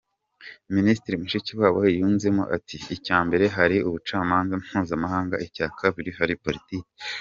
Minisitiri Mushikiwabo yunzemo ati “Icya mbere hari ubucamanza mpuzamahanga, icya kabiri hari politiki.